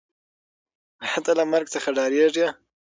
آیا ته له مرګ څخه ډارېږې؟